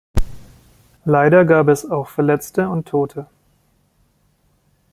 Leider gab es auch Verletzte und Tote.